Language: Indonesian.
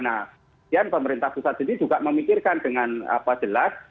nah kemudian pemerintah pusat juga memikirkan dengan jelas